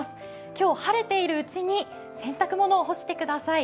今日晴れているうちに洗濯物を干してください。